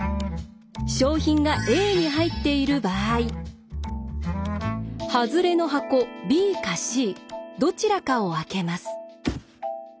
賞品がＡに入っている場合ハズレの箱ＢかＣどちらかを開けます。